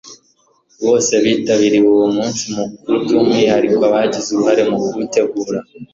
bose bitabiriye uwo munsi mukuru. by'umwihariko abagize uruhare mu kuwutegura